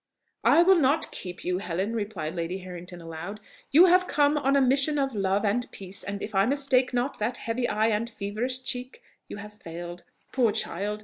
"I will not keep you, Helen," replied Lady Harrington aloud. "You have come on a mission of love and peace; and if I mistake not that heavy eye and feverish cheek, you have failed. Poor child!